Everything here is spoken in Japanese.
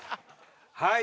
はい。